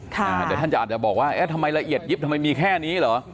แต่ท่านจะอาจจะบอกว่าเอ๊ะทำไมละเอียดยิบทำไมมีแค่นี้เหรอ